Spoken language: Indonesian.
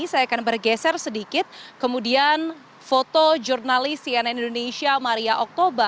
saya akan bergeser sedikit kemudian foto jurnalis cnn indonesia maria oktober